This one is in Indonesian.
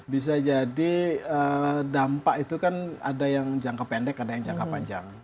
bisa jadi dampak itu kan ada yang jangka pendek ada yang jangka panjang